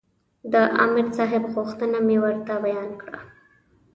د عامر صاحب غوښتنه مې ورته بیان کړه.